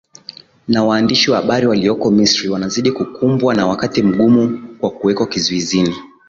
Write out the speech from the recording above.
na waandishi wa habari walioko misri wanazidi kukumbwa na wakati mgumu kwa kuwekwa kizuizini